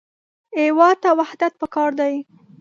هېواد ته وحدت پکار دی